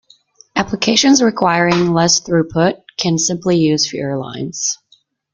Applications requiring less throughput can simply use fewer lines.